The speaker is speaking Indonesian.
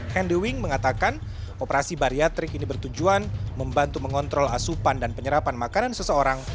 hendewing mengatakan operasi bariatrik ini bertujuan membantu mengontrol asupan dan penyerapan makanan seseorang